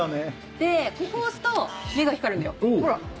でここを押すと目が光るんだよほら。